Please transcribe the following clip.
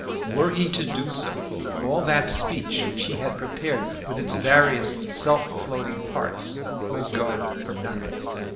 Were he to do so, all that speech which he had prepared, with its various self floating parts, must go for nothing.